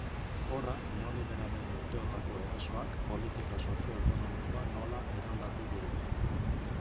Horra neoliberalen urteotako erasoak politika sozio-ekonomikoa nola eraldatu duen.